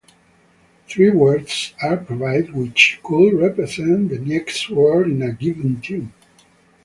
Three words are provided which could represent the next word in a given tune.